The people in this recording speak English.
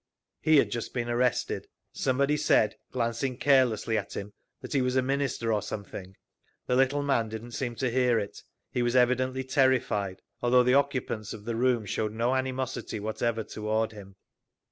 He had just been arrested. Somebody said, glancing carelessly at him, that he was a Minister or something…. The little man didn't seem to hear it; he was evidently terrified, although the occupants of the room showed no animosity whatever toward him.